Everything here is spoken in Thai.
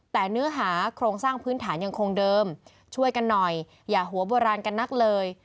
แต่เนื้อหาโครงสร้างพื้นฐานยังคงเดิมช่วยกันหน่อยอย่าหัวโบราณกันนักเลย